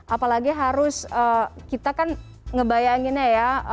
apalagi harus kita kan ngebayanginnya ya